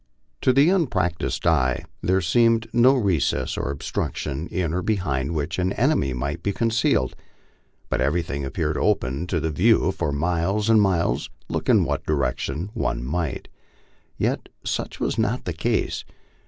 To an unpractised eye there seemed no recess or obstruction in or behind which an enemy might be concealed, but everything appeared open to the view for miles and miles, look in what direction one might. Yet such was not the case.